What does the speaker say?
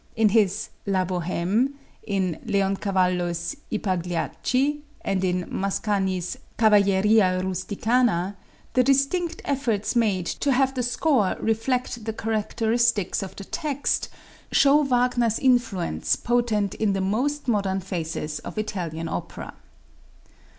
In his "La Bohême," in Leoncavallo's "I Pagliacci" and in Mascagni's "Cavalleria Rusticana," the distinct efforts made to have the score reflect the characteristics of the text show Wagner's influence potent in the most modern phases of Italian opera.